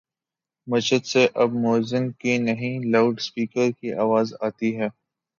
مسجد سے اب موذن کی نہیں، لاؤڈ سپیکر کی آواز آتی ہے۔